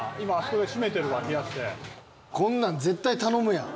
こんなん絶対頼むやん。